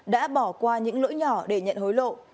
đã bỏ qua những lỗi nhỏ để nhận hối lộ